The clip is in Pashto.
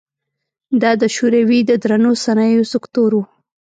دا د شوروي د درنو صنایعو سکتور و.